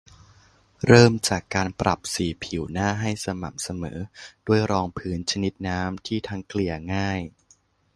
เริ่มจากการปรับสีผิวหน้าให้สม่ำเสมอด้วยรองพื้นชนิดน้ำที่ทั้งเกลี่ยง่าย